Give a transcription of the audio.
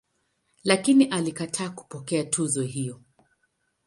Lakini alikataa kupokea tuzo hiyo.